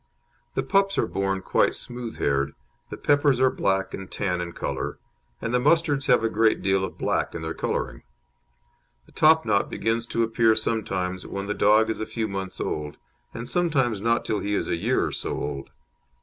The pups are born quite smooth haired, the peppers are black and tan in colour, and the mustards have a great deal of black in their colouring. The topknot begins to appear sometimes when the dog is a few months old, and sometimes not till he is a year or so old.